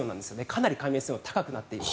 かなり海面水温が高くなっています。